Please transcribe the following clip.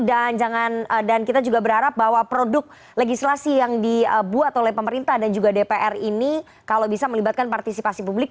dan kita juga berharap bahwa produk legislasi yang dibuat oleh pemerintah dan juga dpr ini kalau bisa melibatkan partisipasi publik